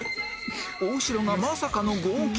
大城がまさかの号泣！